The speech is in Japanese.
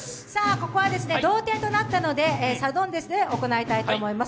ここは同点となったのでサドンデスで行いたいと思います。